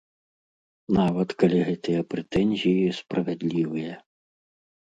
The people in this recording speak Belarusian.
Нават, калі гэтыя прэтэнзіі справядлівыя.